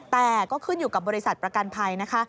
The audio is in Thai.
แต่ก็ขึ้นอยู่กับบริษัทประกันไพร